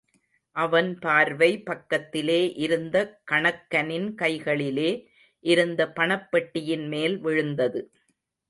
அவன் பார்வை பக்கத்திலே, இருந்த கணக்கனின் கைகளிலே இருந்த பணப் பெட்டியின் மேல் விழுந்தது.